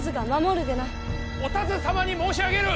お田鶴様に申し上げる！